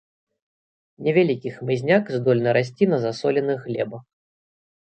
Невялікі хмызняк, здольны расці на засоленых глебах.